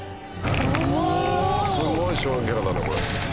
すごい衝撃波だなこれ。